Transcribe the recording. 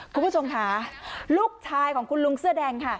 คุณผู้ชมค่ะลูกชายของคุณลุงเสื้อแดงค่ะ